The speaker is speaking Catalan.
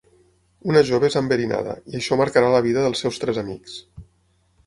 Una jove és enverinada i això marcarà la vida dels seus tres amics.